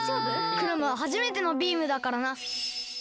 クラムははじめてのビームだからな。